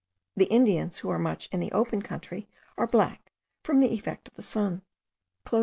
The Indians who are much in the open country are black, from the effect of the sun.) Hist.